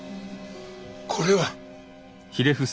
これは。